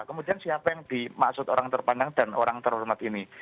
kemudian siapa yang dimaksud orang terpandang dan orang terhormat ini